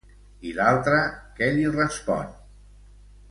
I l'altre què li respon?